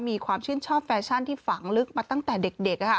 มีความชื่นชอบแฟชั่นที่ฝังลึกมาตั้งแต่เด็ก